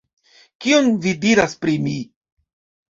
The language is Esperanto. Kion vi diras pri mi?